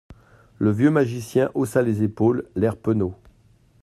Le vieux magicien haussa les épaules, l’air penaud.